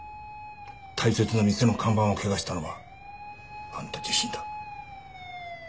大切な店の看板を汚したのはあんた自身だ。